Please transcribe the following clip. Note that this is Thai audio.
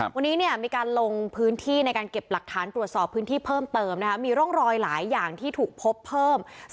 วันนี้มีการลงพื้นที่ในการเก็บหลักฐานตรวจสอบพื้นที่เพิ่มเติมมีร่องรอยหลายอย่างที่ถูกพบเพิ่ม